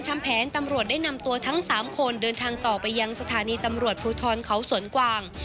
ทำแผนตำรวจได้นำตัวทั้ง๓คนเดินทางต่อไปยังสถานีตำรวจภูทรเขาสวนกวาง